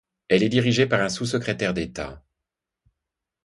Elle est dirigée par un sous-secrétaire d'État.